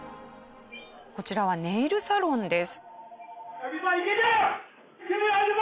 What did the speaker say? こちらはネイルサロンです。